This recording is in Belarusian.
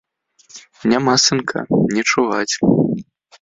Няма сынка, не чуваць.